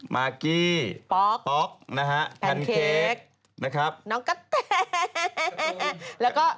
มากกี้ป๊อกแพนเค้กน้องกะแท่